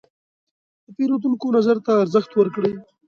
د پیرودونکو نظر ته ارزښت ورکړئ.